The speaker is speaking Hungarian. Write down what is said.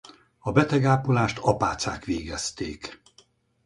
A betegápolást apácák végezték.